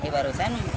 barusan mau ambil